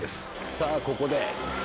さぁここで。